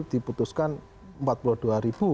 diputuskan empat puluh dua ribu